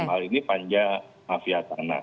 hal ini panja mafia tanah